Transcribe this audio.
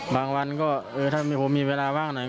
ถ้ามิเขามีเวลาบ้างหน่อย